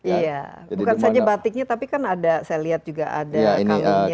iya bukan saja batiknya tapi kan ada saya lihat juga ada kainnya